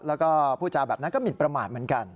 แล้วก็พูดจาแบบนั้นก็หมินประมาทเหมือนกัน